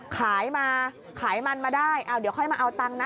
ขายมาขายมันมาได้เดี๋ยวค่อยมาเอาตังค์นะ